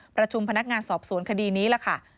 ประชุมพนักงานสอบสวนคดีนี้ล่ะค่ะ